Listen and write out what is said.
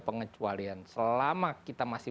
pengecualian selama kita masih